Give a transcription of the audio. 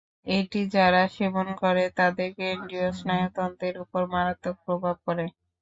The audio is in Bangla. এটি যারা সেবন করে, তাদের কেন্দ্রীয় স্নায়ুতন্ত্রের ওপর মারাত্মক প্রভাব পড়ে।